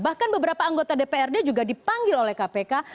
bahkan beberapa anggota dprd juga dipanggil oleh kpk